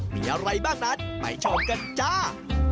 มีอะไรบ้างนั้นไปชมกันจ้า